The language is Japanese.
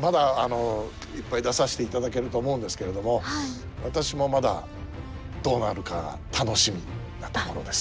まだいっぱい出させていただけると思うんですけれども私もまだどうなるか楽しみなところです。